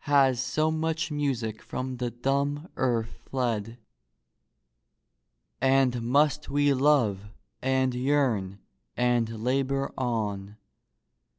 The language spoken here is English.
Has so much music from the dumb earth fled? And must we love and yearn and labor on ?